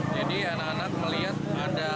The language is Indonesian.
jadi anak anak melihat ada